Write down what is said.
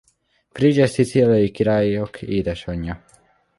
Frigyes szicíliai királyok édesanyja.